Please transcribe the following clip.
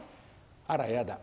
あらやだ